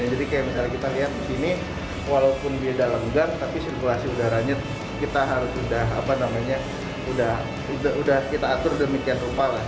jadi kayak misalnya kita lihat di sini walaupun dia dalam gar tapi sirkulasi udaranya kita harus udah apa namanya udah kita atur demikian rupa lah